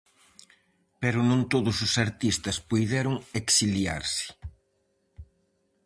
Pero non todos os artistas puideron exiliarse.